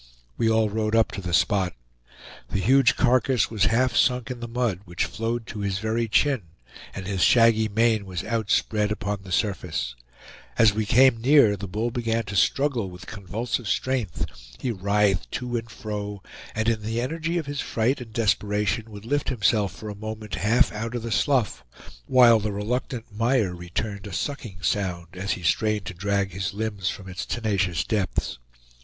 We all rode up to the spot. The huge carcass was half sunk in the mud, which flowed to his very chin, and his shaggy mane was outspread upon the surface. As we came near the bull began to struggle with convulsive strength; he writhed to and fro, and in the energy of his fright and desperation would lift himself for a moment half out of the slough, while the reluctant mire returned a sucking sound as he strained to drag his limbs from its tenacious depths.